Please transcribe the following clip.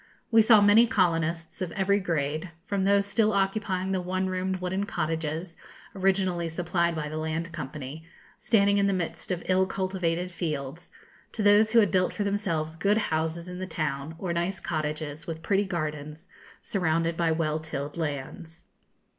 We saw many colonists, of every grade, from those still occupying the one roomed wooden cottages, originally supplied by the Land Company, standing in the midst of ill cultivated fields, to those who had built for themselves good houses in the town, or nice cottages, with pretty gardens, surrounded by well tilled lands.